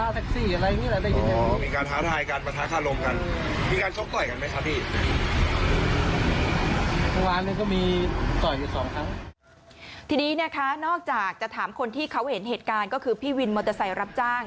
ทีนี้นะคะนอกจากจะถามคนที่เขาเห็นเหตุการณ์ก็คือพี่วินมอเตอร์ไซค์รับจ้าง